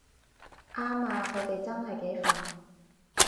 啱吖，佢哋真係幾煩